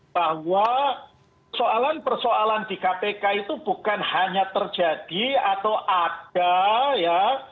bahwa persoalan persoalan di kpk itu bukan hanya terjadi atau ada ya